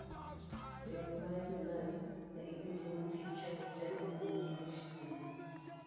E dwe mar Julai, ne idhi tim tij choko teko maduong' mar stima.